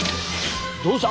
どうした？